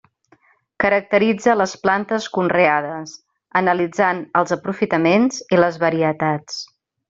Caracteritza les plantes conreades, analitzant els aprofitaments i les varietats.